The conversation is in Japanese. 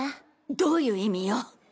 どういう意味よ！？